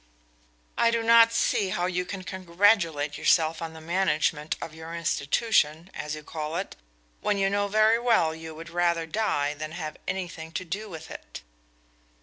"I do not see how you can congratulate yourself on the management of your institution, as you call it, when you know very well you would rather die than have anything to do with it."